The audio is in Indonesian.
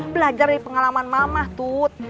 belajar dari pengalaman mama tuh